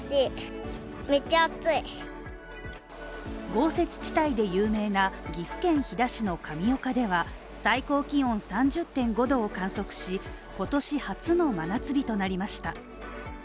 豪雪地帯で有名な岐阜県飛騨市の神岡では最高気温３０．５度を観測し今年初の真夏日となりました。